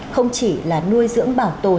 không chỉ là nuôi dưỡng bảo tồn